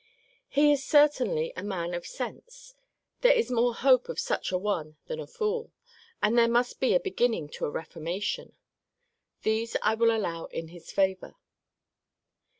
He is certainly a man of sense: there is more hope of such a one than a fool: and there must be a beginning to a reformation. These I will allow in his favour.